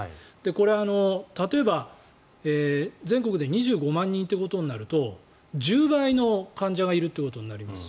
これは例えば、全国で２５万人ということになると１０倍の患者がいるということになります。